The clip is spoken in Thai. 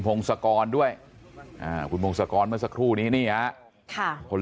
พงศกรด้วยคุณพงศกรเมื่อสักครู่นี้นี่ฮะคน